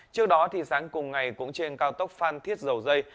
trước đó sáng cùng ngày cũng trên cao tốc phan thiết dầu dây